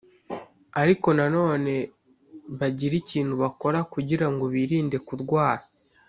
ariko nanone bagire ikintu bakora kugira ngo birinde kurwara